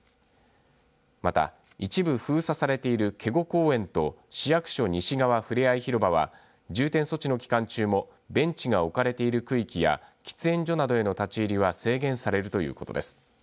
また、一部封鎖されている警固公園と市役所西側ふれあい広場は重点措置の期間中もベンチが置かれている区域や喫煙所などへの立ち入りは制限されるということです。